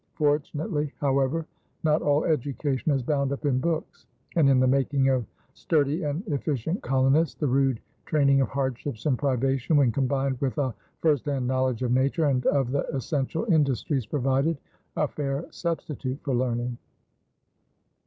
Fortunately, however, not all education is bound up in books, and, in the making of sturdy and efficient colonists, the rude training of hardships and privation when combined with a first hand knowledge of nature and of the essential industries provided a fair substitute for learning.